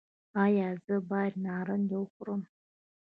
ایا زه باید نارنج وخورم؟